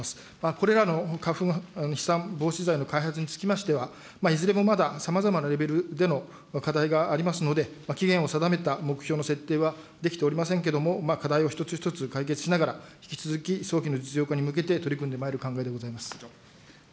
これらの花粉飛散防止剤の開発につきましては、いずれもまださまざまなレベルでの課題がありますので、期限を定めた目標の設定はできておりませんけれども、課題を一つ一つ解決しながら、引き続き早期の実用化に向けて取り組んでまいる考えでございます。